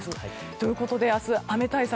ということで明日、雨対策